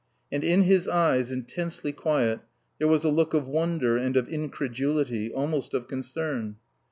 And in his eyes, intensely quiet, there was a look of wonder and of incredulity, almost of concern.